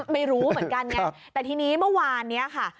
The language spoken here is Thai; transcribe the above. ไม่รู้เหมือนกันไงแต่ทีนี้เมื่อวานนี้ค่ะ